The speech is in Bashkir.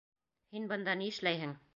— Һин бында ни эшләйһең?